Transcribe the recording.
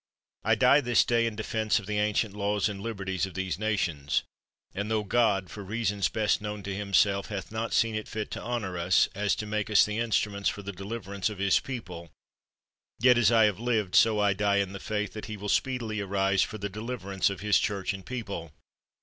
I die this day in defense of the ancient laws and liberties of these nations ; and tho God, for reasons best known to Himself, hath not seen it fit to honor us, as to make us the instruments for the deliverance of His people, yet as I have lived, so I die in the faith that He will speedily arise for the deliverance of His Church and people.